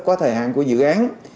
có thời hạn của dự án